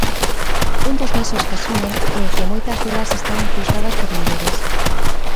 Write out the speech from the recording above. Un dos nexos que as unen é que moitas delas están impulsadas por mulleres.